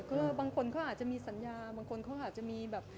คือบางคนเขาอาจจะมีสัญญาบางคนเขาอาจจะมีแบบ